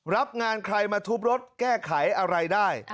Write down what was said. รับงานใครมาทุบรถแก้ไขอะไรได้